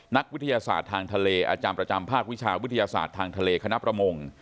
นักวิทยาศาสตร์ทางทะเลอาจารย์ประจำภาควิชาวิทยาศาสตร์ทางทะเลคณะประมง